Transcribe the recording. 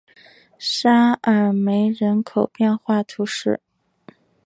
沙尔梅人口变化图示